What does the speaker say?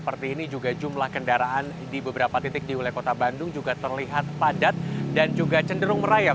seperti ini juga jumlah kendaraan di beberapa titik di wilayah kota bandung juga terlihat padat dan juga cenderung merayap